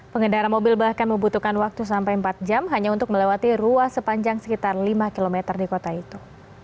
pengendara mobil bahkan membutuhkan waktu sampai empat jam hanya untuk melewati ruas sepanjang sekitar lima km di kota itu